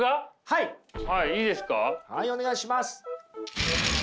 はいお願いします。